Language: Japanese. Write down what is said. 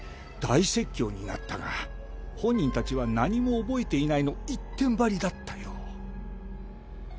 大説教になったが本人たちは「何も覚えていない」の一点張りだったよ。